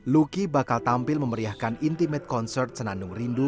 luki bakal tampil memeriahkan intimate concert senandung rindu